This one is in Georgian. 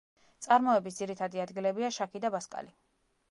წარმოების ძირითადი ადგილებია შაქი და ბასკალი.